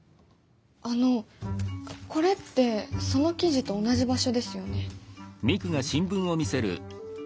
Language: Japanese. あのこれってその記事と同じ場所ですよね？